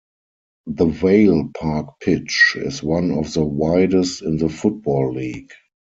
The Vale Park pitch is one of the widest in the Football League.